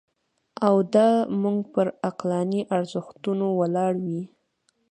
او دا موږ پر عقلاني ارزښتونو ولاړ وي.